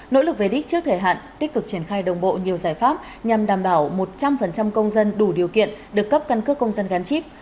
nỗ lực về đích trước thời hạn tích cực triển khai đồng bộ nhiều giải pháp nhằm đảm bảo một trăm linh công dân đủ điều kiện được cấp căn cước công dân gắn chip